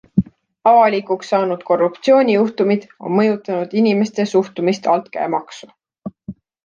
Avalikuks saanud korruptsioonijuhtumid on mõjutanud inimeste suhtumist altkäemaksu.